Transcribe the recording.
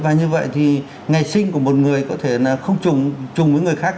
và như vậy thì ngày sinh của một người có thể là không trùng chùng với người khác